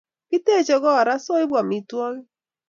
Kitechi kot raa soibu amitwakik